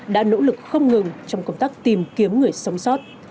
đã nỗ lực không ngừng trong công tác tìm kiếm người sống sót